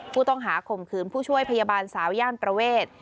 ข้อหาข่มขืนผู้ช่วยพยาบาลสาวย่านประเวท